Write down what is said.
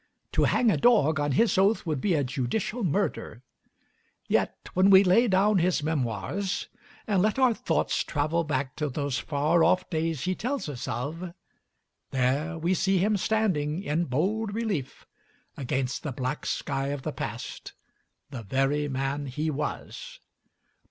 To hang a dog on his oath would be a judicial murder. Yet when we lay down his Memoirs and let our thoughts travel back to those far off days he tells us of, there we see him standing, in bold relief, against the black sky of the past, the very man he was.